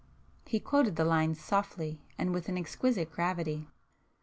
[p 388]He quoted the lines softly and with an exquisite gravity.